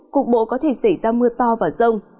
cục bộ có thể xảy ra mưa to và rông